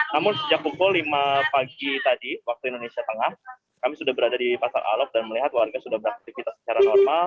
namun sejak pukul lima pagi tadi waktu indonesia tengah kami sudah berada di pasar alok dan melihat warga sudah beraktivitas secara normal